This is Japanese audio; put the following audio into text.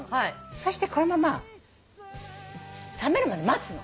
そしてこのまま冷めるまで待つの。